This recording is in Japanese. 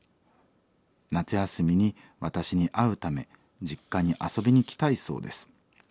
夏休みに私に会うため実家に遊びに来たいそうです。